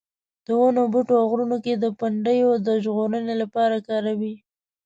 د ونو بوټو او غرونو کې د پنډیو د ژغورنې لپاره کاروي.